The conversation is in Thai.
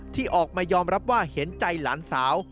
ที่ออกมายอมรับว่าเห็นใจหลานสาว